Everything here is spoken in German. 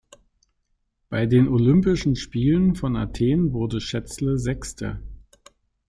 Bei den Olympischen Spielen von Athen wurde Schätzle Sechste.